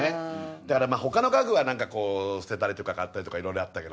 だから他の家具は捨てたりとか買ったりとかいろいろあったけど。